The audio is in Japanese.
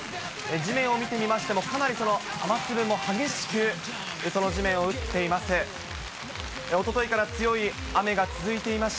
地面を見てみましても、かなりその雨粒も激しく、その地面を打っています。